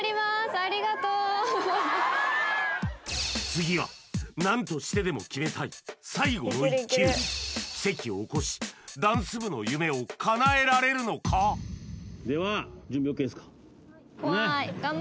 次は何としてでも決めたい奇跡を起こしダンス部の夢をかなえられるのかうん